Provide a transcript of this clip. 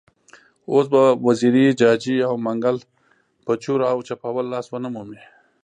اوس به وزیري، جاجي او منګل په چور او چپاول لاس ونه مومي.